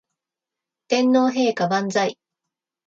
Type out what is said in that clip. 天皇陛下万歳